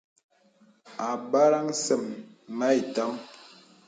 Àbakraŋ sə̀m mə ìtəŋ.